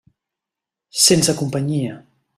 Sense companyia.